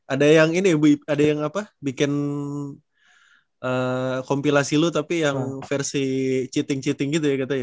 ada yang ini ya bu ada yang apa bikin kompilasi lu tapi yang versi cheating cheating gitu ya katanya